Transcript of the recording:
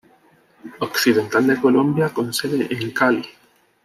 Occidental de Colombia con sede en Cali.